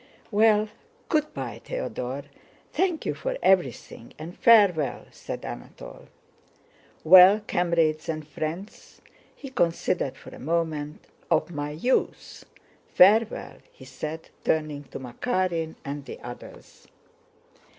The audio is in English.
"Well, good by, Theodore. Thank you for everything and farewell!" said Anatole. "Well, comrades and friends..." he considered for a moment "... of my youth, farewell!" he said, turning to Makárin and the others.